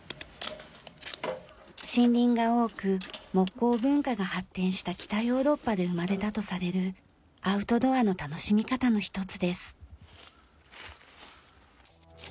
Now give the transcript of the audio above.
森林が多く木工文化が発展した北ヨーロッパで生まれたとされるアウトドアの楽しみ方の一つです。